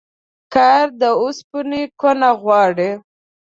کار د اوسپني کونه غواړي.